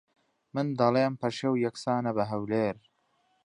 من دەڵێم پەشێو یەکسانە بە ھەولێر